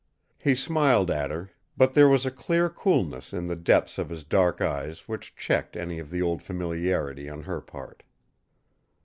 He smiled at her, but there was a clear coolness in the depths of his dark eyes which checked any of the old familiarity on her part.